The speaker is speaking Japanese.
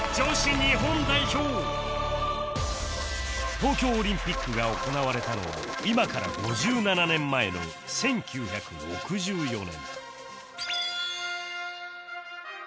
東京オリンピックが行われたのは今から５７年前の１９６４年